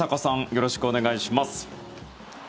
よろしくお願いします。